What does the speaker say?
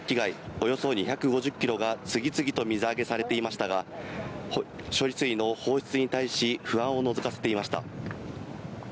およそ２５０キロが次々と水揚げされていましたが、処理水の放出に対し、不安をのぞかせていました。